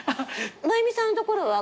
真弓さんのところは？